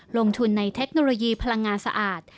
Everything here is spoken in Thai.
ลงทุนในเทคโนโลยีพลังงานสะอาด